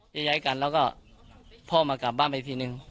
เย้ยย้ายกันแล้วก็พ่อมันกลับบ้านไปทีหนึ่ง